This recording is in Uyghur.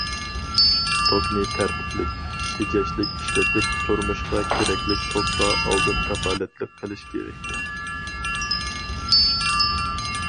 توكنى تەرتىپلىك، تېجەشلىك ئىشلىتىپ، تۇرمۇشقا كېرەكلىك توكقا ئالدىن كاپالەتلىك قىلىش كېرەك.